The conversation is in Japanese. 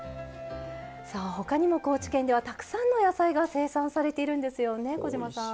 他にも高知県ではたくさんの野菜が生産されているんですよね。